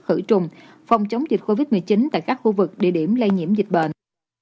khử trùng phòng chống dịch covid một mươi chín tại các khu vực địa điểm lây nhiễm dịch bệnh